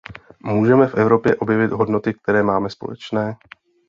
Můžeme v Evropě objevit hodnoty, které máme společné.